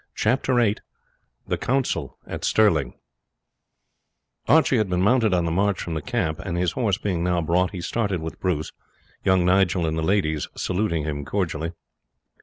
Chapter VIII The Council at Stirling Archie had been mounted on the march from the camp, and his horse being now brought, he started with Bruce, young Nigel and the ladies saluting him cordially.